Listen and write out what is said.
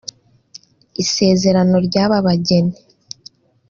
Isezerano ry’aba bageni